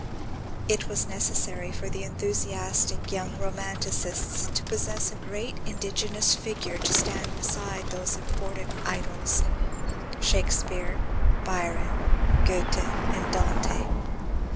It was necessary for the enthusiastic young romanticists to possess a great indigenous figure to stand beside those imported idols Shakespeare, Byron, Goethe, and Dante.